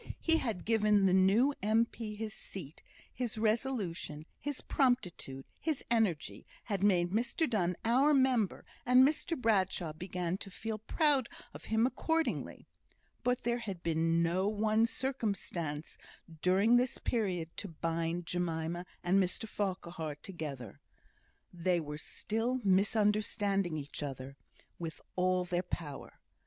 He had given the new M.P. his seat; his resolution, his promptitude, his energy, had made Mr Donne "our member;" and Mr Bradshaw began to feel proud of him accordingly. But there had been no one circumstance during this period to bind Jemima and Mr Farquhar together. They were still misunderstanding each other with all their power.